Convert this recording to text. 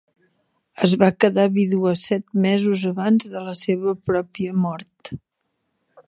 Es va quedar vídua set mesos abans de la seva pròpia mort.